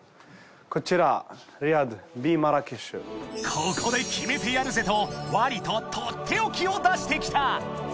［ここで決めてやるぜとワリト取っておきを出してきた］